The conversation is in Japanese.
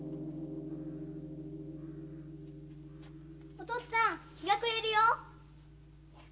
・お父っつぁん日が暮れるよ。